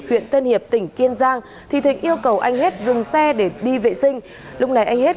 huyện tân hiệp tỉnh kiên giang thì thịnh yêu cầu anh hết dừng xe để đi vệ sinh lúc này anh hết